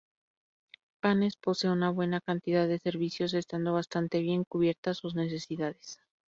Panes posee una buena cantidad de servicios, estando bastante bien cubiertas sus necesidades.